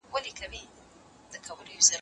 زه مړۍ نه خورم